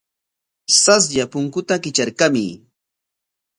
Saslla punkuta kitrarkamuy.